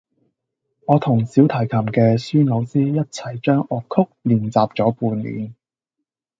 我同小提琴嘅孫老師一齊將樂曲練習咗半年